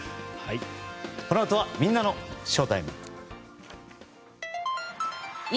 このあとはみんなのＳＨＯＷＴＩＭＥ。